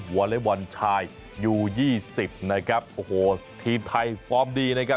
วอเล็กบอลชายยูยี่สิบนะครับโอ้โหทีมไทยฟอร์มดีนะครับ